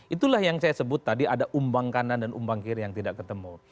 itulah yang saya sebut tadi ada umbang kanan dan umbang kiri yang tidak ketemu